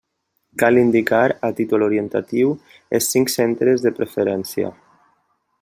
Cal indicar, a títol orientatiu, els cinc centres de preferència.